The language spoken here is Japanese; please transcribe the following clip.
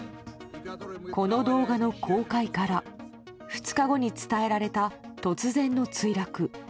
この動画の公開から２日後に伝えられた突然の墜落。